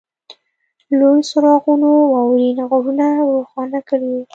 لویو څراغونو واورین غرونه روښانه کړي وو